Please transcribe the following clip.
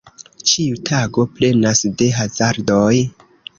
Ĉiu tago plenas de hazardoj.